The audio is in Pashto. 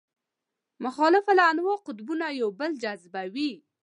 مختلف النوع قطبونه یو بل جذبوي.